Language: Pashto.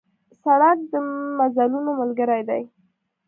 سړک د مزلونو ملګری دی.